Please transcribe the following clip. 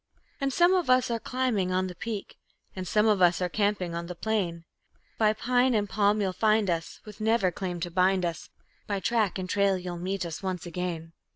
And some of us are climbing on the peak, And some of us are camping on the plain; By pine and palm you'll find us, with never claim to bind us, By track and trail you'll meet us once again.